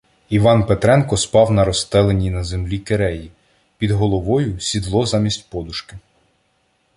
Іван Петренко спав на розстеленій на землі киреї, під головою — сідло замість подушки.